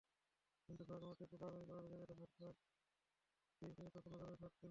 কিন্তু ঘরের মাঠে কোপা আমেরিকা প্রতিযোগিতা ভার্গাসকে রীতিমতো পুনর্জন্মের স্বাদ দিল।